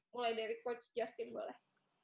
mulai dari coach justin boleh